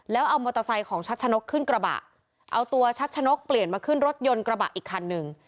แล้วเอามอเตอร์ไซค์ของชัดชะนกขึ้นกระบะเอาตัวชัชนกเปลี่ยนมาขึ้นรถยนต์กระบะอีกคันหนึ่ง